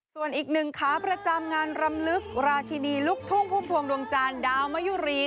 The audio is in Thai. คอยเห็นใจเป็นโคตรชีวิต